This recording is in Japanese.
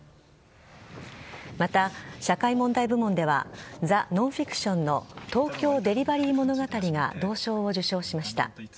また、社会問題部門では「ザ・ノンフィクション」の「東京デリバリー物語」が銅賞を受賞しました。